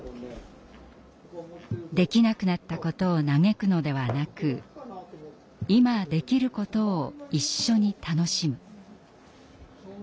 できなくなったことを嘆くのではなく今できることを一緒に楽しむ。